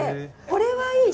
これはいい！